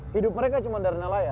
hidup mereka cuma dari nelayan